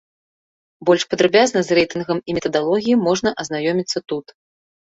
Больш падрабязна з рэйтынгам і метадалогіяй можна азнаёміцца тут.